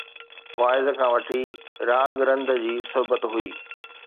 واعظ کان وٺي، راڳ رند جي صحبت هئي